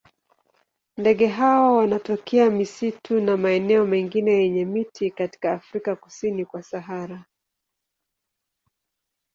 Ndege hawa wanatokea misitu na maeneo mengine yenye miti katika Afrika kusini kwa Sahara.